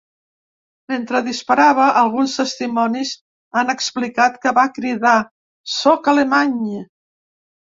Mentre disparava, alguns testimonis han explicat que va cridar: Sóc alemany.